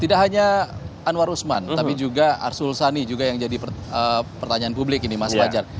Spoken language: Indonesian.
tidak hanya anwar usman tapi juga arsul sani juga yang jadi pertanyaan publik ini mas fajar